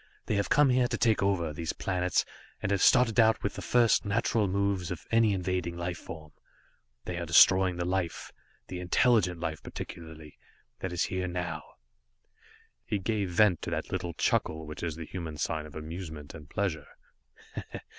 They have come here to take over these planets, and have started out with the first, natural moves of any invading life form. They are destroying the life, the intelligent life particularly, that is here now." He gave vent to that little chuckle which is the human sign of amusement and pleasure.